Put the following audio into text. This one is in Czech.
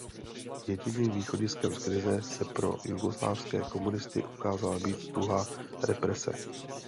Jediným východiskem z krize se pro jugoslávské komunisty ukázala být tuhá represe.